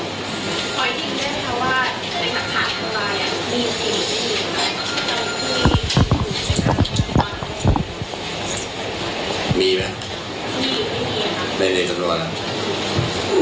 แต่มีล้ายเลยมีล้ายเลยมีกับว่าจะเก็บ